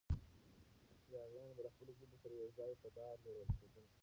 یاغیان به له خپلو ژبو سره یو ځای په دار ځړول کېدل.